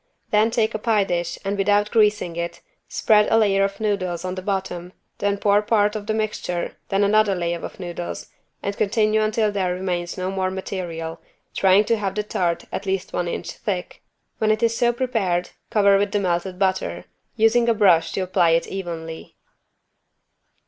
Then take a pie dish and without greasing it, spread a layer of noodles on the bottom, then pour part of the mixture, then another layer of noodles and continue until there remains no more material, trying to have the tart at least one inch thick. When it is so prepared cover with the melted butter, using a brush to apply it evenly.